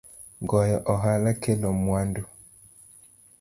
Goyo ohala kelo mwandu